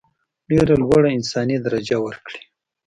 ډېره لوړه انساني درجه ورکړي.